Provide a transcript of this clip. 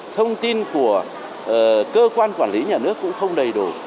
thông tin của cơ quan quản lý nhà nước cũng không đầy đủ